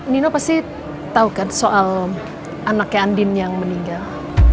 nino pasti tau kan soal anaknya andin yang meninggal